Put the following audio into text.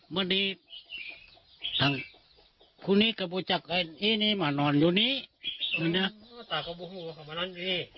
เมื่อดีทางคุณีก็บุจักรไอ้นี้มานอนอยู่นี้ป่ะเนี่ย